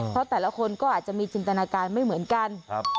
เพราะแต่ละคนก็อาจจะมีจินตนาการไม่เหมือนกัน